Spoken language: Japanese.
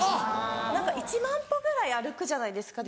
何か１万歩ぐらい歩くじゃないですか。